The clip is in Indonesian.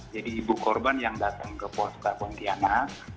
jadi ibu korban yang datang ke pos karpong tiana